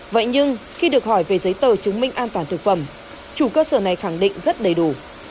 vậy nhưng khi được hỏi về giấy tờ chứng minh an toàn thực phẩm chủ cơ sở này khẳng định rất đầy đủ